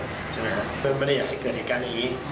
ใช่ไหมครับเพื่อไม่ได้อยากให้เกิดเหตุการณ์อย่างนี้